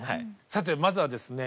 さてまずはですね